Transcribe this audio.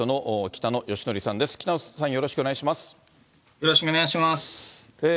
北野さん、よろしくお願いします。